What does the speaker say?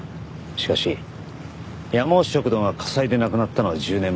しかしやまお食堂が火災でなくなったのは１０年前。